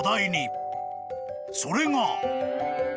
［それが］